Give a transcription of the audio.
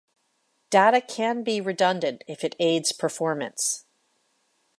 Data can be redundant if it aids performance.